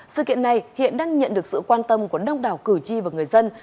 sự kiện này hiện đang nhận được sự quan tâm của đông đảo cử tri và người dân